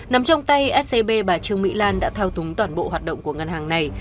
nằm trong tay scb bà trương mỹ lan đã thao túng toàn bộ hoạt động của ngân hàng này